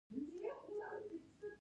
د بامیان په شیبر کې د وسپنې نښې شته.